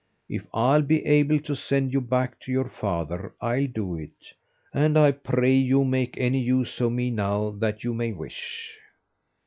If I'll be able to send you back to your father I'll do it, and I pray you make any use of me now that you may wish."